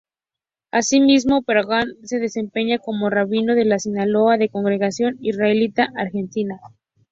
Asimismo, Bergman se desempeña como rabino de la Sinagoga de la Congregación Israelita Argentina.